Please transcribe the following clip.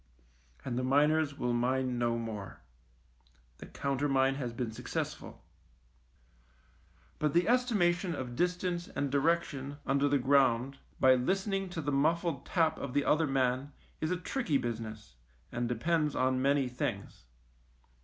And the miners will mine no more. The countermine has been successful. But the estimation of distance and direc tion under the ground by listening to the muffled tap of the other man is a tricky business, and depends on many things.